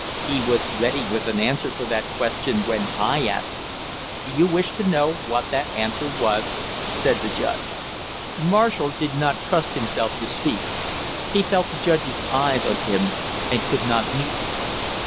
"He was ready with an answer for that question when I asked it. Do you wish to know what that answer was?" said the judge. Marshall did not trust himself to speak; he felt the judge's eyes on him and could not meet them.